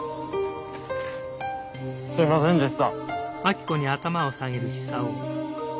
すいませんでした。